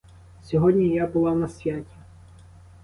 Сьогодні я була на святі.